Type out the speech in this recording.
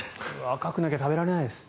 若くなきゃ食べられないです。